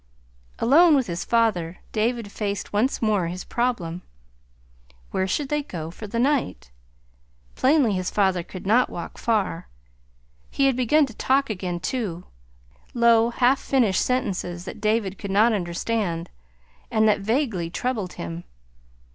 Alone with his father, David faced once more his problem. Where should they go for the night? Plainly his father could not walk far. He had begun to talk again, too, low, half finished sentences that David could not understand, and that vaguely troubled him.